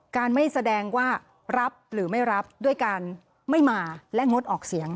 การไม่แสดงว่ารับหรือไม่รับด้วยการไม่มาและงดออกเสียง